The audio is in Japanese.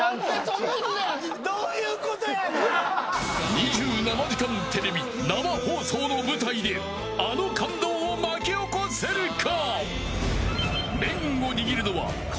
２７時間テレビ生放送の舞台であの感動を巻き起こせるか。